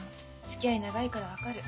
つきあい長いから分かる。